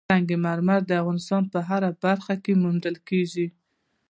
سنگ مرمر د افغانستان په هره برخه کې موندل کېږي.